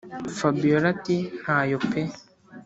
fabiora ati”ntayo pe”